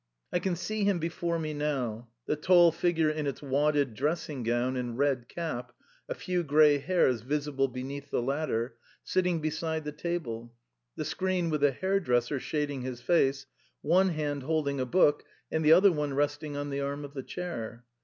I can see him before me now the tall figure in its wadded dressing gown and red cap (a few grey hairs visible beneath the latter) sitting beside the table; the screen with the hairdresser shading his face; one hand holding a book, and the other one resting on the arm of the chair.